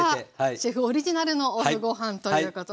シェフオリジナルのＯＦＦごはんということですが。